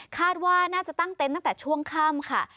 คาดว่าน่าจะตั้งเต็นต์ตั้งแต่ช่วงค่ำค่ะ